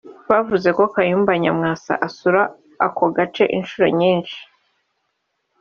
Bavuze ko Kayumba Nyamwasa asura ako gace inshuro nyinshi